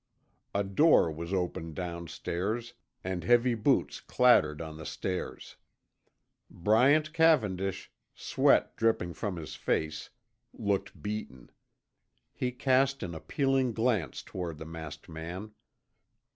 A door was opened downstairs, and heavy boots clattered on the stairs. Bryant Cavendish, sweat dripping from his face, looked beaten. He cast an appealing glance toward the masked man.